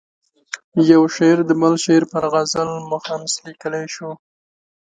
یو شاعر د بل شاعر پر غزل مخمس لیکلای شو.